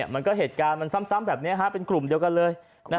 เหตุการณ์มันซ้ำแบบนี้เป็นกลุ่มเดียวกันเลย